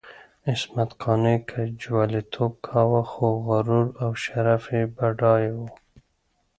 عصمت قانع که جواليتوب کاوه، خو غرور او شرف یې بډای وو.